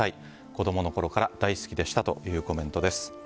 子供のころから大好きでしたというコメントです。